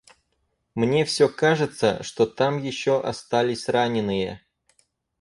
Мне все кажется, что там еще остались раненые.